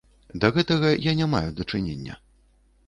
Да гэтага я не маю дачынення.